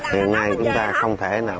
hiện nay chúng ta không thể nào